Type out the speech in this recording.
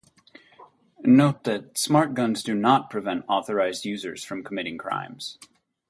Note that smart guns do not prevent authorized users from committing crimes.